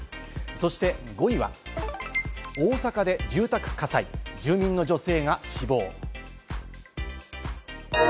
そして５位は大阪で住宅火災、住民の女性が死亡。